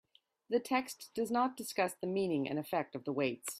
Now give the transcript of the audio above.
The text does not discuss the meaning and effect of the weights.